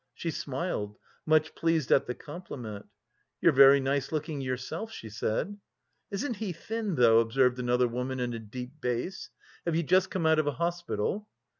She smiled, much pleased at the compliment. "You're very nice looking yourself," she said. "Isn't he thin though!" observed another woman in a deep bass. "Have you just come out of a hospital?"